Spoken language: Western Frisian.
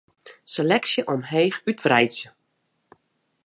Seleksje omheech útwreidzje.